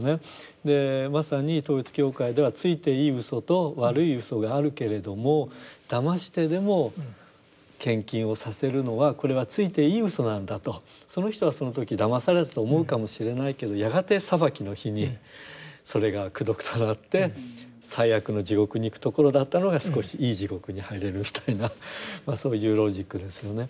でまさに統一教会ではついていい嘘と悪い嘘があるけれどもだましてでも献金をさせるのはこれはついていい嘘なんだとその人はその時だまされたと思うかもしれないけどやがて裁きの日にそれが功徳となって最悪の地獄に行くところだったのが少しいい地獄に入れるみたいなそういうロジックですよね。